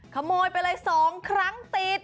ขโมยไปเลย๒ครั้งติด